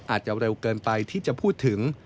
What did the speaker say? อาจจะเร็วเกินไปที่จะพูดถึง